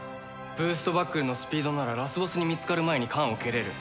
ブーストバックルのスピードならラスボスに見つかる前に缶を蹴れる。